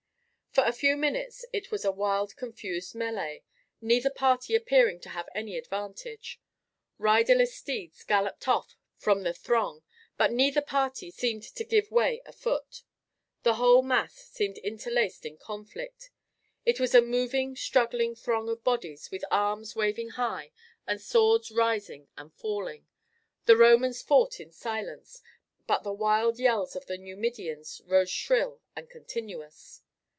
For a few minutes it was a wild confused melee, neither party appearing to have any advantage. Riderless steeds galloped off from the throng, but neither party seemed to give way a foot. The whole mass seemed interlaced in conflict. It was a moving struggling throng of bodies with arms waving high and swords rising and falling. The Romans fought in silence, but the wild yells of the Numidians rose shrill and continuous.